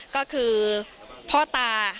ก็คือพ่อตา